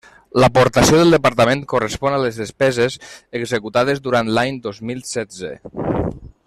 L'aportació del Departament correspon a les despeses executades durant l'any dos mil setze.